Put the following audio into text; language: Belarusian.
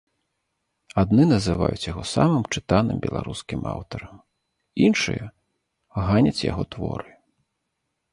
Адны называюць яго самым чытаным беларускім аўтарам, іншыя ганяць яго творы.